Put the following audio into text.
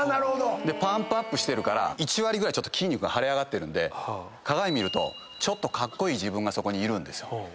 パンプアップして１割ぐらい筋肉が腫れ上がってるんで鏡見るとちょっとカッコイイ自分がそこにいるんですよ。